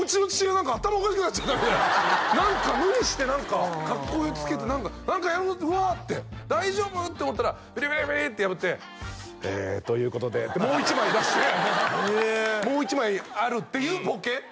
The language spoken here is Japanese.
何か頭おかしくなっちゃったみたいな何か無理して格好をつけて何か何かうわ！って大丈夫？と思ったらビリビリビリって破って「えということで」ってもう一枚出してもう一枚あるっていうボケ